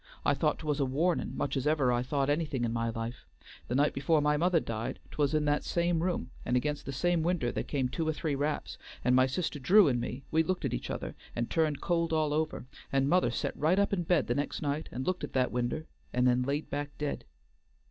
I thought 'twas a warnin' much as ever I thought anything in my life; the night before my mother died 'twas in that same room and against that same winder there came two or three raps, and my sister Drew and me we looked at each other, and turned cold all over, and mother set right up in bed the next night and looked at that winder and then laid back dead.